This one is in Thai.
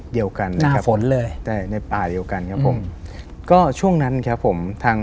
เดียวกันนะครับฝนเลยแต่ในป่าเดียวกันครับผมก็ช่วงนั้นครับผมทาง